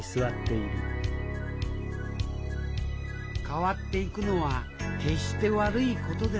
変わっていくのは決して悪いことではない。